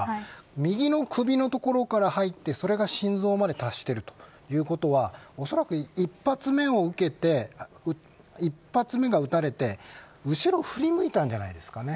右の首の所から入ってそれが心臓まで達しているということはおそらく１発目を受けて１発目が撃たれて後ろ振り向いたんじゃないですかね。